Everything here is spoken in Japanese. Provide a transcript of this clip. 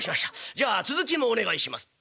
じゃあ続きもお願いします」。